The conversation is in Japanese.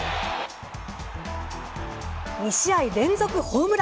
２試合連続ホームラン。